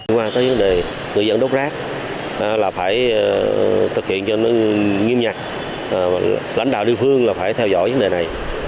ngoài tới vấn đề người dân đốt rác là phải thực hiện cho nó nghiêm nhặt lãnh đạo địa phương là phải theo dõi vấn đề này